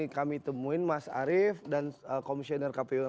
kami temuin mas arief dan komisioner kpu